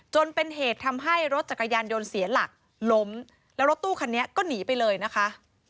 จนเป็นเหตุทำให้รถจักรยานยนต์เสียหลักล้มแล้วรถตู้คันนี้ก็หนีไปเลยนะคะ